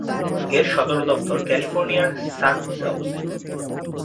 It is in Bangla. এর সদর দফতর ক্যালিফোর্নিয়ার সান হোসে অবস্থিত।